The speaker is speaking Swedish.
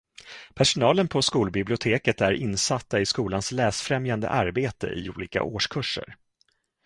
Personalen på skolbiblioteket är insatta i skolans läsfrämjande arbete i olika årskurser.